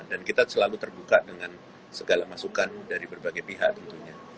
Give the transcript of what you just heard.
dan kita selalu terbuka dengan segala masukan dari berbagai pihak tentunya